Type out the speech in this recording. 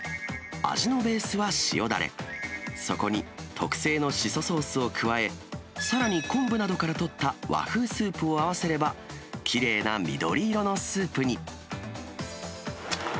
味のベースは塩だれ、そこに特製のしそソースを加え、さらに昆布などからとった和風スープを合わせれば、きれいな緑色のスープに。